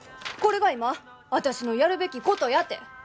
これが今私のやるべきことやて！